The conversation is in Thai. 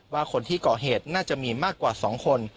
ว่าคนที่ก่อเหตุน่าจะมีมากกว่า๒คน